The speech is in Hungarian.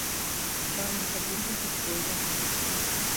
Sajnos a bluesnak is vége.